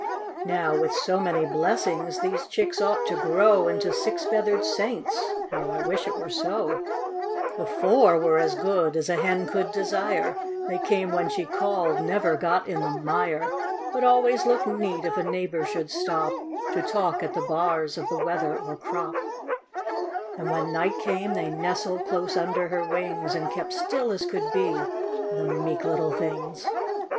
Now, with so many blessings, these chicks ought to grow Into six feathered saints, — how I wish it were so. 4(3 THE DISOBEDIENT CHICKS. The four were as good as a hen could desire, They came when she called ; never got in the mire, But always looked neat if a neighbor should stop To talk, at the bars, of the weather or crop ; And when night came, they nestled close under her wings, And kept still as could be, — the meek little things.